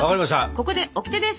ここでオキテです！